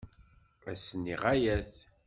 Ass-nni ɣaya-t.